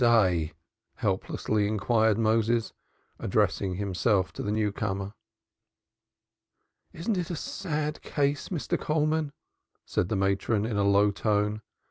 helplessly inquired Moses, addressing himself to the newcomer. "Isn't it a sad case, Mr. Coleman?" said the matron, in a low tone.